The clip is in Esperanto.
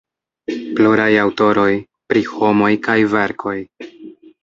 Pluraj aŭtoroj, Pri homoj kaj verkoj.